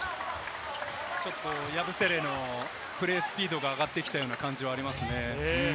ちょっとヤブセレのプレースピードが上がってきたような感じがありますね。